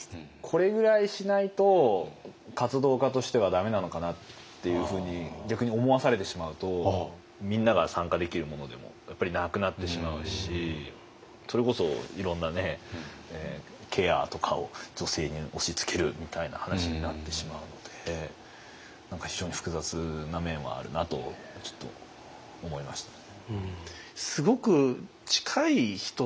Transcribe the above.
これぐらいしないと活動家としてはダメなのかなっていうふうに逆に思わされてしまうとみんなが参加できるものでもやっぱりなくなってしまうしそれこそいろんなケアとかを女性に押しつけるみたいな話になってしまうので何か非常に複雑な面はあるなとちょっと思いましたね。